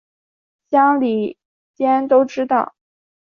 乡里间都知道